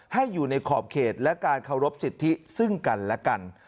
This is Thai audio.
ให้อยู่ในขอบเขตและการเคารพสิทธิซึ่งกันและกัน